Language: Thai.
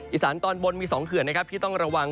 อีสานตอนบนมี๒เขื่อนนะครับที่ต้องระวัง